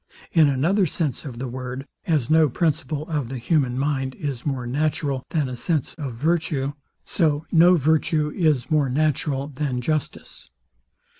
In another sense of the word; as no principle of the human mind is more natural than a sense of virtue; so no virtue is more natural than justice.